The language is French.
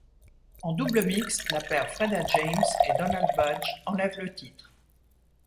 En double mixte, la paire Freda James et Donald Budge enlève le titre.